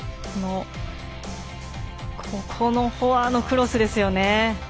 フォアのクロスですよね。